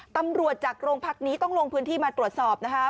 ตำรวจจากโรงพักนี้ต้องลงพื้นที่มาตรวจสอบนะคะ